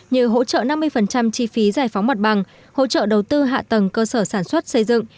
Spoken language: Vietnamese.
như hỗ trợ năm mươi chi phí giải phóng mặt bằng hỗ trợ đầu tư hạ tầng cơ sở sản xuất xây dựng